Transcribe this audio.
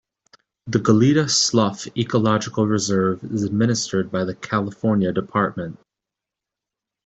The Goleta Slough Ecological Reserve is administered by the Calif. Dept.